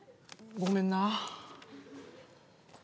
ごめんな。